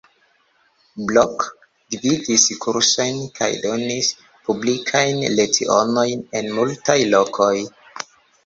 Blok gvidis kursojn kaj donis publikajn lecionojn en multaj lokoj.